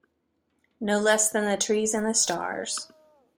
No less than the trees and the stars